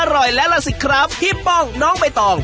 อร่อยแล้วแล้วสิครับพี่ป้องน้องบ่ายต่อง